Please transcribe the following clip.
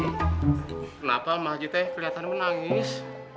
kenapa emak aja teh keliatan menangis